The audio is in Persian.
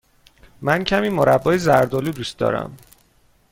من کمی مربای زرد آلو دوست دارم.